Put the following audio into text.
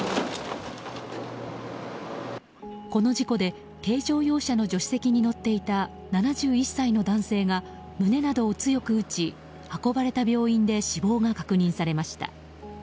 この事故で軽乗用車の助手席に乗っていた７１歳の男性が胸などを強く打ち運ばれた病院で死亡が確認されました。